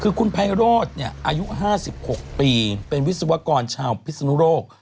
คือคุณไพโรธอายุ๕๖ปีเป็นวิศวกรชาวพิศนุโรค